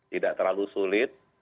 tidak terlalu sulit